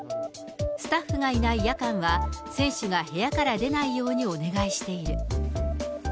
スタッフがいない夜間は、選手が部屋から出ないようにお願いしている。